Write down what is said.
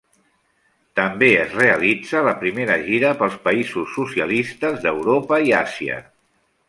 També es realitza la primera gira pels països socialistes d'Europa i Àsia.